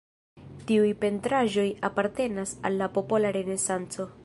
Tiuj pentraĵoj apartenas al la popola renesanco.